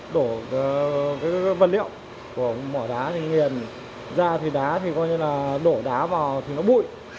đổ cái vật liệu của mỏ đá thì nghiền ra thì đá thì coi như là đổ đá vào thì nó bụi